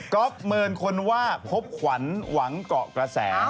ก็เมินคนว่าพบขวัญหวังเกาะกระแส